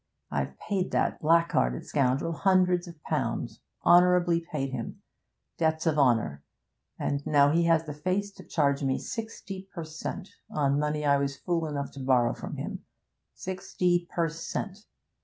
I've paid that black hearted scoundrel hundreds of pounds honourably paid him debts of honour, and now he has the face to charge me sixty per cent, on money I was fool enough to borrow from him! Sixty per cent.